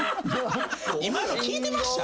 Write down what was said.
今の聞いてました？